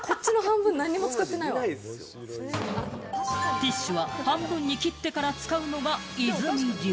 ティッシュは半分に切ってから使うのが和泉流。